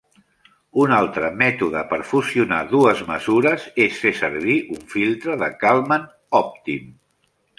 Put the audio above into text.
Un altre mètode per fusionar dues mesures és fer servir un filtre de Kalman òptim.